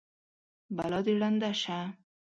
بلا دې ړنده شه!